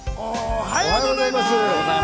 おはようございます。